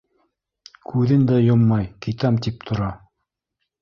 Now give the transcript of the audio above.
Күҙен дә йоммай, китәм тип тора!